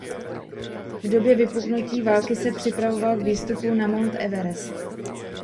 V době vypuknutí války se připravoval k výstupu na Mount Everest.